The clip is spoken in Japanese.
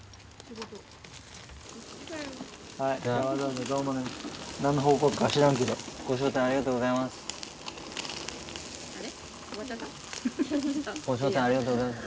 ご招待ありがとうございます。